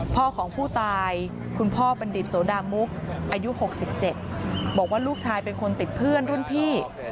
พ่อของผู้ตายคุณพ่อบัณฑิตโสดามุกอายุ๖๗บอกว่าลูกชายเป็นคนติดเพื่อนรุ่นพี่